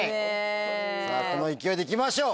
さぁこの勢いでいきましょう。